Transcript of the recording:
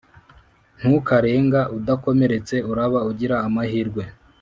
Ntukarenga uDakomeretse uraba ugira amahirwe